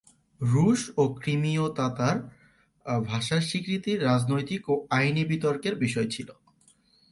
রুশ ও ক্রিমীয় তাতার ভাষার স্বীকৃতি রাজনৈতিক ও আইনি বিতর্কের বিষয় ছিল।